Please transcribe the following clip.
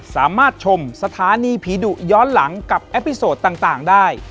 สามารถชมสถานีผีดุย้อนหลังกับแอปพลิโซดต่างได้